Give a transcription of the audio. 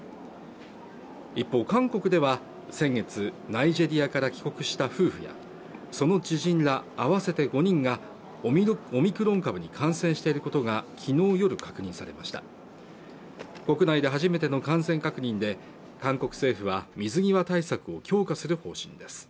一方韓国では先月ナイジェリアから帰国した夫婦やその知人ら合わせて５人がオミクロン株に感染していることが昨日夜確認されました国内で初めての感染確認で韓国政府は水際対策を強化する方針です